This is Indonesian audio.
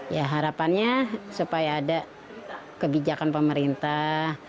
ya harapannya supaya ada kebijakan pemerintah